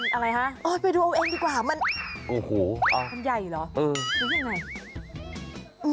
มันอะไรฮะไปดูเอาเองดีกว่ามันมันใหญ่เหรอนึกยังไง